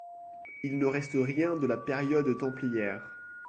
Il ne reste rien de la période templière.